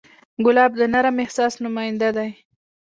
ګلاب د نرم احساس نماینده دی.